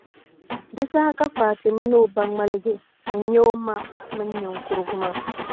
Di saha ka Fati mini o ba ŋmaligi n-nya o ma mini niŋkurugu maa.